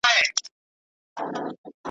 د پانوس لمبه مي ولوېده له نوره `